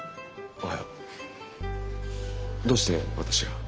おはよう。どうして私が？